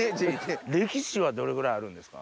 歴史はどれぐらいあるんですか？